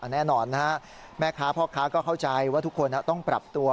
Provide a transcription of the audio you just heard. แน่นอนนะฮะแม่ค้าพ่อค้าก็เข้าใจว่าทุกคนต้องปรับตัว